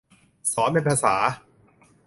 สอนเป็นภาษา